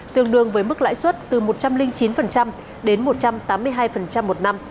tương đương với mức lãi suất từ một trăm linh chín đến một trăm tám mươi hai một năm